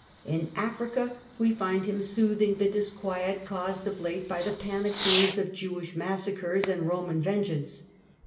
In Africa we find him him in soothing the disquiet caused of late by the panic fears of Jewish massacres and Roman vengeance.